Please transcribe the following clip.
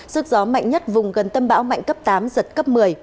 sức gió mạnh nhất vùng gần tâm bão mạnh cấp tám giật cấp một mươi